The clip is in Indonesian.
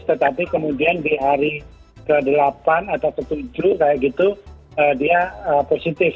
tetapi kemudian di hari ke delapan atau ke tujuh kayak gitu dia positif